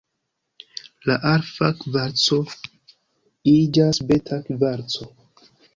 La alfa kvarco iĝas beta kvarco.